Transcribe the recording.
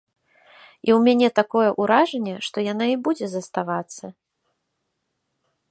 І ў мяне такое ўражанне, што яна і будзе заставацца.